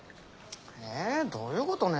えどういうことね？